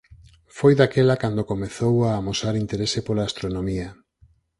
Foi daquela cando comezou a a amosar interese pola astronomía.